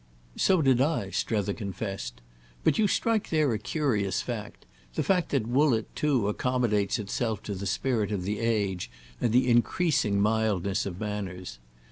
"So did I!" Strether confessed. "But you strike there a curious fact—the fact that Woollett too accommodates itself to the spirit of the age and the increasing mildness of manners.